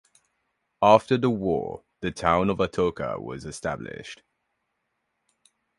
After the war, the town of Atoka was established.